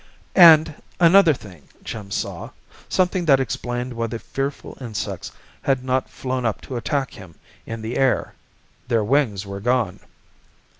And another thing Jim saw, something that explained why the fearful insects had not flown up to attack him in the air. Their wings were gone!